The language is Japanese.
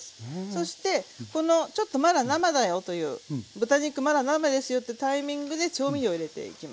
そしてこのちょっとまだ生だよという豚肉まだ生ですよってタイミングで調味料入れていきます。